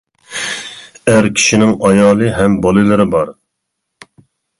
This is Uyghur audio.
ئەر كىشىنىڭ ئايالى ھەم بالىلىرى بار.